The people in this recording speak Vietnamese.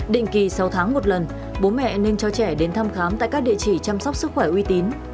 định kỳ sáu tháng một lần bố mẹ nên cho trẻ đến thăm khám tại các địa chỉ chăm sóc sức khỏe uy tín